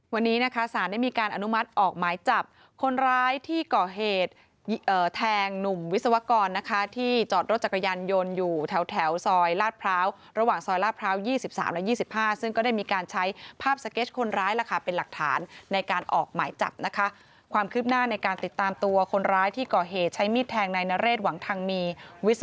วันนี้นะคะสารได้มีการอนุมัติออกหมายจับคนร้ายที่ก่อเหตุแทงหนุ่มวิศวกรนะคะที่จอดรถจักรยานยนต์อยู่แถวซอยลาดพร้าวระหว่างซอยลาดพร้าว๒๓และ๒๕ซึ่งก็ได้มีการใช้ภาพสเก็ตคนร้ายล่ะค่ะเป็นหลักฐานในการออกหมายจับนะคะความคืบหน้าในการติดตามตัวคนร้ายที่ก่อเหตุใช้มีดแทงนายนเรศหวังทางมีวิส